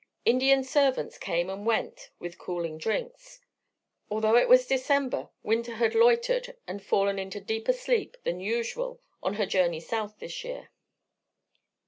Indian servants came and went with cooling drinks. Although it was December, Winter had loitered and fallen into deeper sleep than usual on her journey South this year.